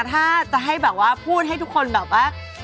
ถ้าจะให้แบบว่าพูดให้ทุกคนแบบว่า